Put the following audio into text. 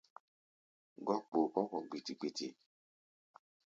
Gɔ́k gboo kɔ́ kɔ̧ gbiti-gbiti.